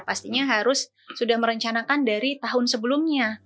pastinya harus sudah merencanakan dari tahun sebelumnya